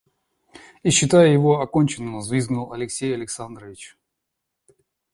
И считаю его оконченным, — взвизгнул Алексей Александрович.